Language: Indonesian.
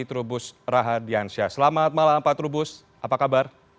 trubus rahadiansyah selamat malam pak trubus apa kabar